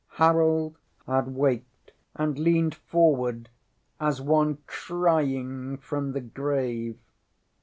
ŌĆØ Harold had waked, and leaned forward as one crying from the grave.